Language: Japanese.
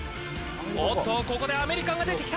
おっと、ここでアメリカが出てきた。